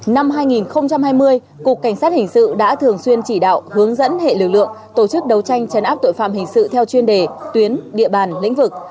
năm hai nghìn hai mươi cục cảnh sát hình sự đã thường xuyên chỉ đạo hướng dẫn hệ lực lượng tổ chức đấu tranh chấn áp tội phạm hình sự theo chuyên đề tuyến địa bàn lĩnh vực